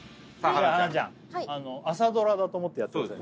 花ちゃん朝ドラだと思ってやってください